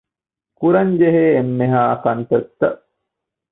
ކުރަންޖެހޭ އެންމެހައި ކަންތައްތައް